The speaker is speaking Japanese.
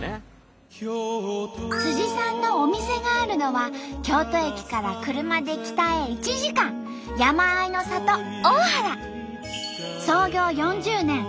さんのお店があるのは京都駅から車で北へ１時間山あいの里大原。